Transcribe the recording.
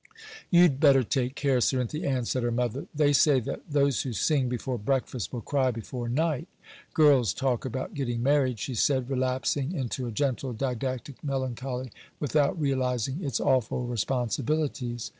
'You'd better take care, Cerinthy Ann,' said her mother; 'they say that "those who sing before breakfast, will cry before night." Girls talk about getting married,' she said, relapsing into a gentle didactic melancholy, 'without realizing its awful responsibilities.